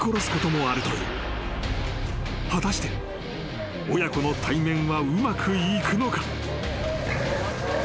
［果たして親子の対面はうまくいくのか？］